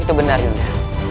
itu benar yunda